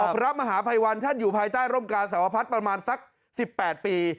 พระมหาภัยวันท่านอยู่ภายใต้ร่มกาสาวพัฒน์ประมาณสัก๑๘ปี